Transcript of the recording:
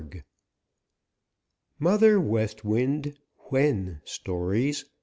MOTHER WEST WIND "WHEN" STORIES I.